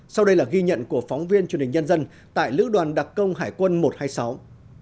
sau đây là ghi nhận của phóng viên truyền hình nhân dân tại lữ đoàn đặc công hải quân một trăm hai mươi sáu